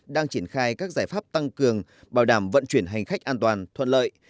đang triển khai các giải pháp tăng cường bảo đảm vận chuyển hành khách an toàn thuận lợi